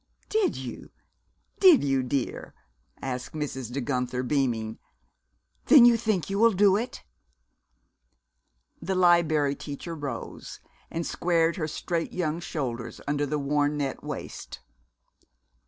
"Did you? Did you, dear?" asked Mrs. De Guenther, beaming. "Then you think you will do it?" The Liberry Teacher rose, and squared her straight young shoulders under the worn net waist.